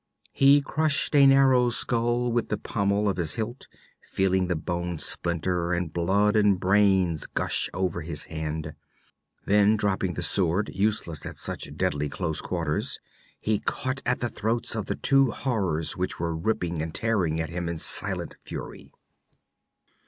He crushed a narrow skull with the pommel of his hilt, feeling the bone splinter and blood and brains gush over his hand; then, dropping the sword, useless at such deadly close quarters, he caught at the throats of the two horrors which were ripping and tearing at him in silent fury.